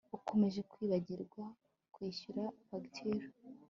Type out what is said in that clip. Ukomeje kwibagirwa kwishyura fagitire